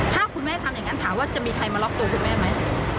ถ้าคุณแม่ทำอย่างนั้นถามว่าจะมีใครมาล็อกตัวคุณแม่ไหม